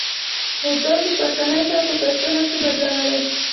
خو توکي په اسانۍ سره په پیسو نشو بدلولی